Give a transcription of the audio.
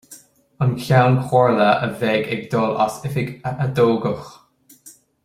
An Ceann Comhairle a bheidh ag dul as oifig a atoghadh.